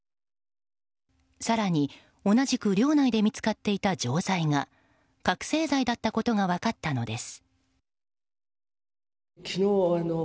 更に、同じく寮内で見つかっていた錠剤が覚醒剤だったことが分かったのです。